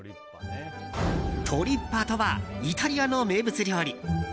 トリッパとはイタリアの名物料理。